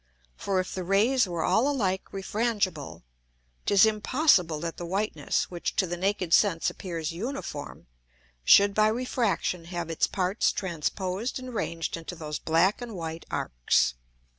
For if the Rays were all alike refrangible, 'tis impossible that the whiteness, which to the naked Sense appears uniform, should by Refraction have its parts transposed and ranged into those black and white Arcs.